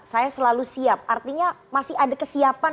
saya selalu siap artinya masih ada kesiapan